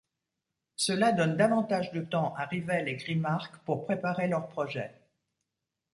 Cela donne davantage de temps à Rivel et Grimmark pour préparer leur projet.